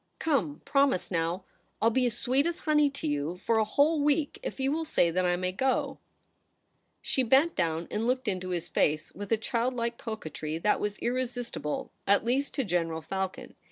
Come, promise 172 THE REBEL ROSE. now. I'll be as sweet as honey to you for a whole week if you will say that I may go.' She bent down and looked into his face with a childlike coquetry that was irresistible, at least to General Falcon.